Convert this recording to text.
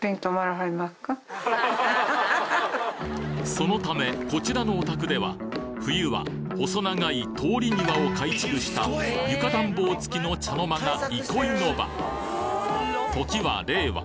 そのためこちらのお宅では冬は細長い通り庭を改築した床暖房付きの茶の間が憩いの場時は令和。